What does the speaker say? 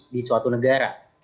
di suatu negara